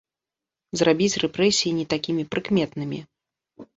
Зрабіць рэпрэсіі не такімі прыкметнымі.